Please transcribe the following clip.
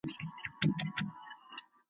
اوس په خپله د انصاف تله وركېږي `